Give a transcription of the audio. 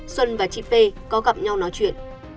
xuân và chị p có gặp nhau nói chuyện